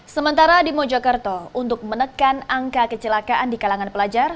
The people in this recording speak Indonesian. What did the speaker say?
sementara di mojokerto untuk menekan angka kecelakaan di kalangan pelajar